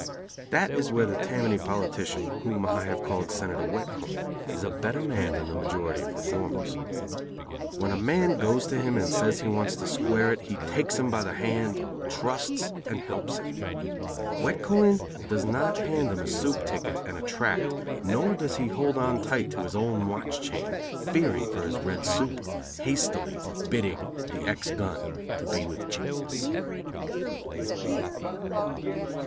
That is where the Tammany politician, whom I have called Senator Wet Coin is a better man than the majority of reformers. When a man goes to him and says he wants to square it he takes him by the hand, trusts and helps him. Wet Coin does not hand him a soup ticket and a tract nor does he hold on tight to his own watch chain fearing for his red super, hastily bidding the ex gun to be with Jesus.